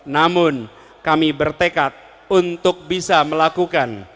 namun kami bertekad untuk bisa melakukan